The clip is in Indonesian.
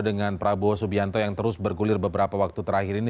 dengan prabowo subianto yang terus bergulir beberapa waktu terakhir ini